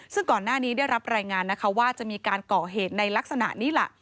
ซึ่งก่อนหน้านี้ได้รับรายงานนะคะว่าจะมีการก่อเหตุในลักษณะนี้ล่ะ